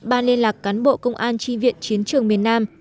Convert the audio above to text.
ban liên lạc cán bộ công an tri viện chiến trường miền nam